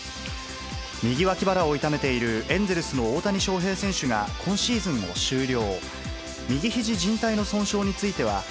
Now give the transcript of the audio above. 右脇腹を痛めている、エンゼルスの大谷翔平選手が今シーズンを終了。